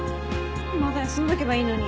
まだ休んどけばいいのに。